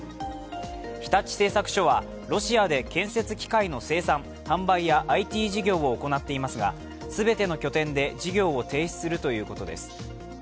日立製作所は、ロシアで建設機械の生産販売やＩＴ事業を行っていますが全ての拠点で事業を停止するということです。